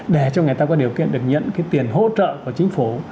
để cho người ta có điều kiện được nhận cái tiền hỗ trợ của chính phủ